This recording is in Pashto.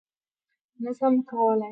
_نه شم کولای.